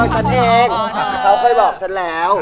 ฉันเองเขาเคยบอกฉันแล้ว